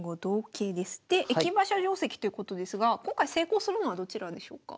で駅馬車定跡ということですが今回成功するのはどちらでしょうか？